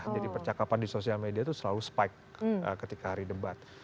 jadi percakapan di social media itu selalu spike ketika hari debat